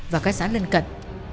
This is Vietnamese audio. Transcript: và các xã lân cận